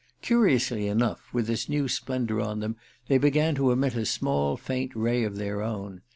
Curiously enough, with this new splendor on them they began to emit a small faint ray of their own.